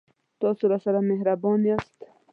تاسو راسره مهربان یاست